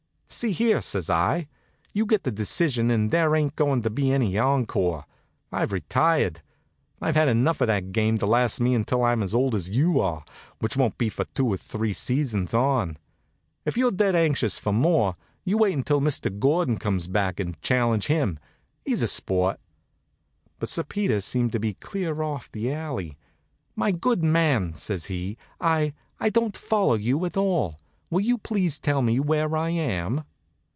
"See here," says I. "You get the decision, and there ain't goin' to be any encore. I've retired. I've had enough of that game to last me until I'm as old as you are, which won't be for two or three seasons on. If you're dead anxious for more, you wait until Mr. Gordon comes back and challenge him. He's a sport." But Sir Peter seemed to be clear off the alley. "My good man," says he, "I I don't follow you at all. Will you please tell me where I am?"